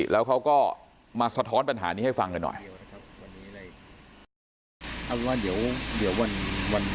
แล้วเขาก็มาสะท้อนปัญหานี้ให้ฟังกันหน่อย